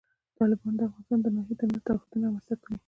تالابونه د افغانستان د ناحیو ترمنځ تفاوتونه رامنځ ته کوي.